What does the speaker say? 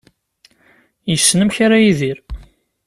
Yessen amek ara yidir.